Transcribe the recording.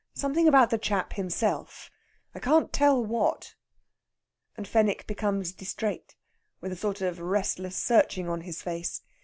Something about the chap himself I can't tell what." And Fenwick becomes distrait, with a sort of restless searching on his face.